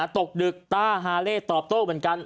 ตกดึกต้าฮาเล่ตอบโต้เหมือนกัน